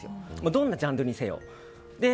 どんなジャンルにせよ。